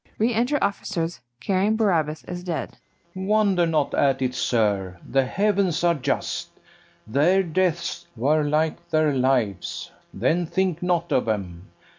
Re enter OFFICERS, carrying BARABAS as dead. FERNEZE. Wonder not at it, sir; the heavens are just; Their deaths were like their lives; then think not of 'em.